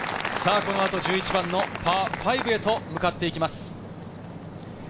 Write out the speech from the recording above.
このあと１１番のパー５へと向かっていきます。